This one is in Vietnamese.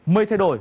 mây thay đổi